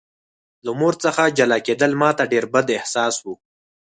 له مور څخه جلا کېدل ماته ډېر بد احساس و